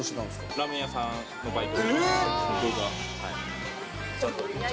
ラーメン屋さん、バイト。